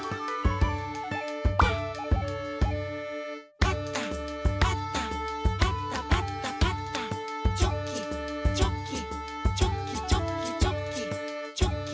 「パタパタパタパタパタ」「チョキチョキチョキチョキチョキ」